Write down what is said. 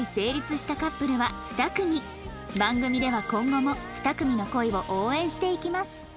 番組では今後も２組の恋を応援していきます